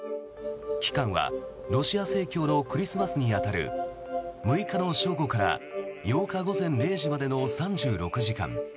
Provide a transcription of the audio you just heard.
期間はロシア正教のクリスマスに当たる６日の正午から８日午前０時までの３６時間。